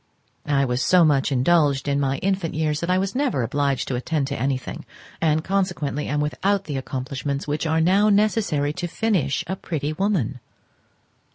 I was so much indulged in my infant years that I was never obliged to attend to anything, and consequently am without the accomplishments which are now necessary to finish a pretty woman.